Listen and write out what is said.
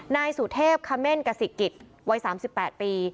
นายสุเทพคเม่นกสิกิจวัย๓๘ปี